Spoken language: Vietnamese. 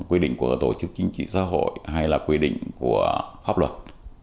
quy định của tổ chức chính trị xã hội hay là quy định của pháp luật